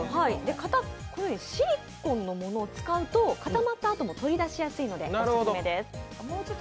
シリコンのものを使うと固まったあとも取り出しやすいのでオススメです。